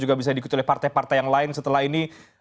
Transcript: juga bisa diikuti oleh partai partai yang lain setelah ini